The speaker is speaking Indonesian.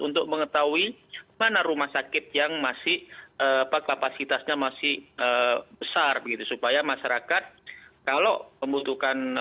untuk mengetahui mana rumah sakit yang masih kapasitasnya masih besar begitu supaya masyarakat kalau membutuhkan